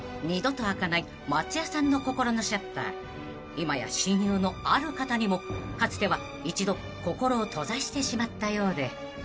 ［今や親友のある方にもかつては一度心を閉ざしてしまったようで］